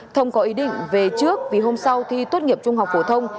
thông có ý định về trước vì hôm sau thi tốt nghiệp trung học phổ thông